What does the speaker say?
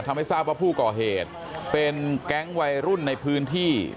ทำให้ทราบว่าผู้ก่อเหตุเป็นแก๊งวัยรุ่นในพื้นที่